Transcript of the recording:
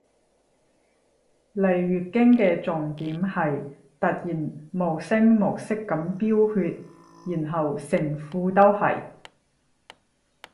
嚟月經嘅重點係突然無聲無息噉飆血然後成褲都係